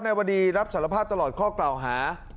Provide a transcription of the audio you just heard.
ในวันนี้รับสารภาพตลอดข้อเกล่าหา